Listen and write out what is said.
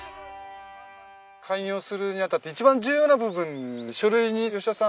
開業するにあたって一番重要な部分書類に吉田さん